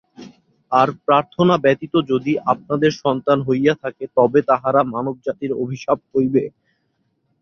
আর প্রার্থনা ব্যতীত যদি আপনাদের সন্তান হইয়া থাকে, তবে তাহারা মানবজাতির অভিশাপ হইবে।